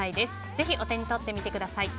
ぜひお手に取ってみてください。